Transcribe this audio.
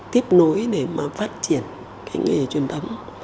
tiếp nối để mà phát triển cái nghề truyền thống